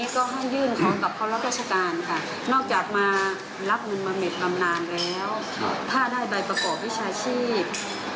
การการกรับเข้ารับรัฐกาลปัญหาก็คือตอนนี้คือเราไม่เป็นใบประกอบวิชาชีพ